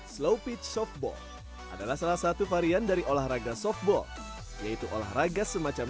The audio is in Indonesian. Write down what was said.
slow pitch softball adalah salah satu varian dari olahraga softball yaitu olahraga semacam